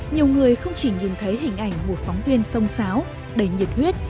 nhiều người không chỉ nhìn thấy hình ảnh một phóng viên sông sáo đầy nhiệt huyết